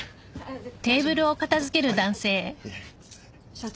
社長。